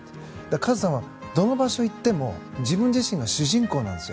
カズさんはどの場所に行っても自分自身が主人公なんですよ。